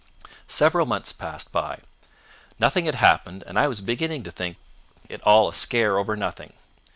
"Several months passed by. Nothing had happened and I was beginning to think it all a scare over nothing.